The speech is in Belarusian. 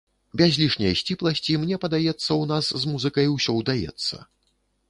Без лішняй сціпласці, мне падаецца, у нас з музыкай усё ўдаецца.